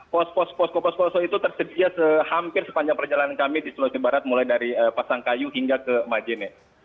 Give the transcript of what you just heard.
pos pos posko pos posko itu tersedia hampir sepanjang perjalanan kami di sulawesi barat mulai dari pasangkayu hingga ke majene